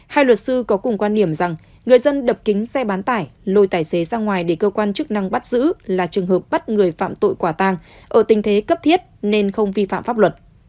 hai luật sư có cùng quan điểm rằng người dân đập kính xe bán tải lôi tài xế ra ngoài để cơ quan chức năng bắt giữ là trường hợp bắt người phạm tội quả tang ở tình thế cấp thiết nên không vi phạm pháp luật